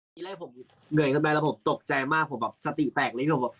นี่เลยผมเหนื่อยขึ้นไปแล้วผมตกใจมากผมแบบสติแปลกเลยผมบอก